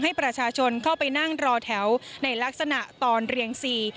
ให้ประชาชนเข้าไปนั่งรอแถวในลักษณะตอนเรียงซี